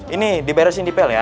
ini diberesin di pel ya